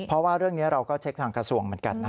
เพราะว่าเรื่องนี้เราก็เช็คทางกระทรวงเหมือนกันนะ